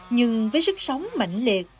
nhưng với sức sống mạnh liệt